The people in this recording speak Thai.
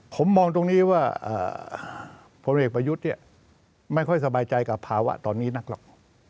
ผมมองตรงนี้ว่าพลเอกประยุทธ์ไม่ค่อยสบายใจกับภาวะตอนนี้นักหรอก